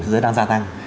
thế giới đang gia tăng